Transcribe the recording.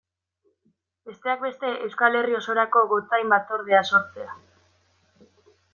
Besteak beste Euskal Herri osorako gotzain batzordea sortzea.